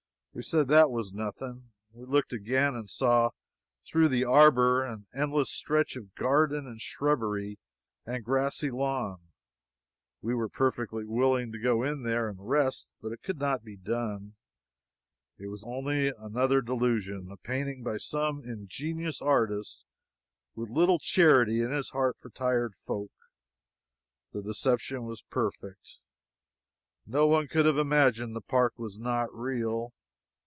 We said that was nothing. We looked again, and saw, through the arbor, an endless stretch of garden, and shrubbery, and grassy lawn. We were perfectly willing to go in there and rest, but it could not be done. It was only another delusion a painting by some ingenious artist with little charity in his heart for tired folk. The deception was perfect. No one could have imagined the park was not real.